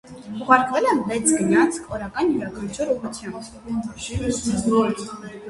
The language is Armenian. Ուղարկվել են վեց գնացք օրական, յուրաքանչյուր ուղղությամբ։